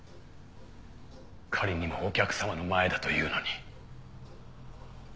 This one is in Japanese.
仮にもお客さまの前だというのに。